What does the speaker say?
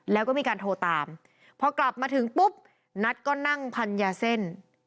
แล้วก็มีการโทรตามพอกลับมาถึงปุ๊บนัทก็นั่งพันยาเส้น